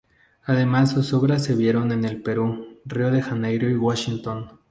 Además sus obras se vieron en Perú, Río de Janeiro y Washington.